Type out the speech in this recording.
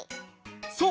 そう！